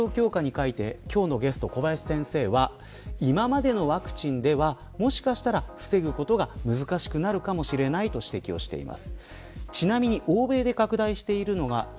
この状況下に今日のゲストの小林先生は今までのワクチンではもしかしたら防ぐことが難しくなるかもしれないと指摘しています。